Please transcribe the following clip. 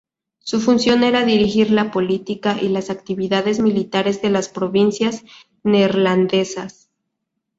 Su función era dirigir la política y las actividades militares de las provincias neerlandesas.